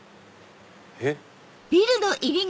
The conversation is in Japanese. えっ？